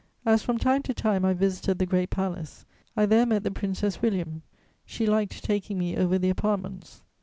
As from time to time I visited the Great Palace, I there met the Princess William: she liked taking me over the apartments.